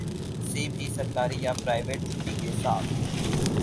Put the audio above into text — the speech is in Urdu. سی بھی سرکاری یا پرائیوٹ چھٹی کے ساتھ